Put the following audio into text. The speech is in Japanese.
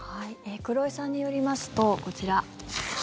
黒井さんによりますとこちら。